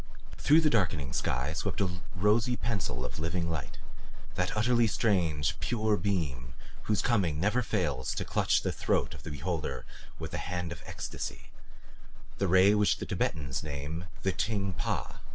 Through the darkening sky swept a rosy pencil of living light; that utterly strange, pure beam whose coming never fails to clutch the throat of the beholder with the hand of ecstasy, the ray which the Tibetans name the Ting Pa.